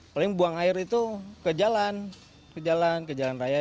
paling buang air itu ke jalan ke jalan ke jalan raya